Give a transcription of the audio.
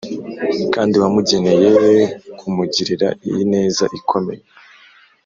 kandi wamugeneye kumugirira iyi neza ikomeye